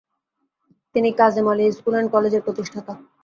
তিনি Kazem Ali school and কলেজের প্রতিষ্ঠাতা।